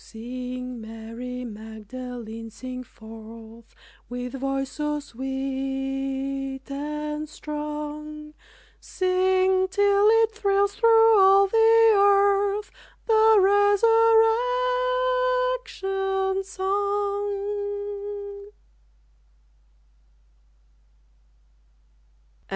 Sing, Mary Magdalene, sing forth With voice so sweet and strong, Sing, till it thrills through all the earth The Resurrection Song!